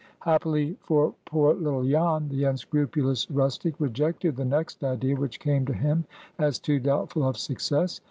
Happily for poor little Jan, the unscrupulous rustic rejected the next idea which came to him as too doubtful of success.